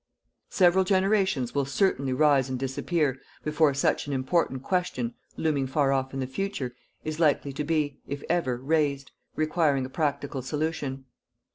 Several generations will certainly rise and disappear before such an important question, looming far off in the future, is likely to be if ever raised requiring a practical solution.